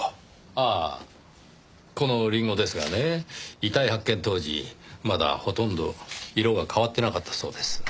ああこのりんごですがね遺体発見当時まだほとんど色が変わってなかったそうです。